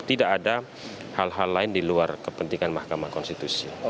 tidak ada hal hal lain di luar kepentingan mahkamah konstitusi